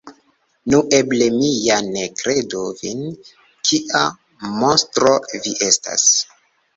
Nu, eble mi ja ne kredu vin! Kia monstro vi estas!